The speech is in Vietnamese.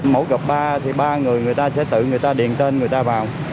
mẫu gập ba thì ba người người ta sẽ tự người ta điền tên người ta vào